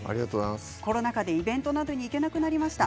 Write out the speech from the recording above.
コロナ禍でイベントなどに行けなくなりました。